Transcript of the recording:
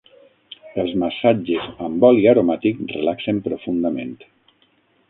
Els massatges amb oli aromàtic relaxen profundament.